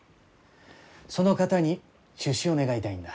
その方に出資を願いたいんだ。